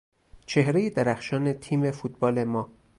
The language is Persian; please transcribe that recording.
چهرهی درخشان تیم فوتبال ما